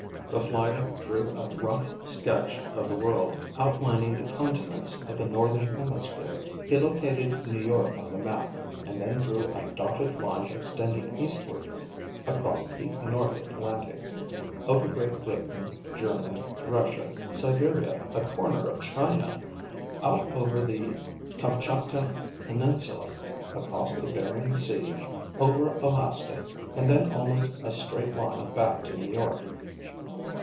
The flyer drew a rough sketch of the world, outlining the continents of the northern hemisphere. He located New York on the map and then drew a dotted line extending eastward across the North Atlantic, over Great Britain, Germany, Russia, Siberia, a corner of China, out over the Kamchatka peninsula, across the Bering Sea, over Alaska and then almost a straight line back to New York.